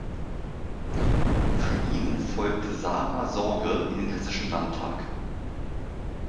Für ihn folgte Sarah Sorge in den Hessischen Landtag.